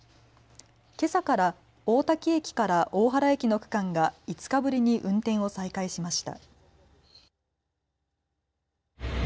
けさから大多喜駅から大原駅の区間が５日ぶりに運転を再開しました。